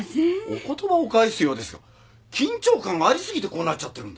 お言葉を返すようですが緊張感あり過ぎてこうなっちゃってるんだ。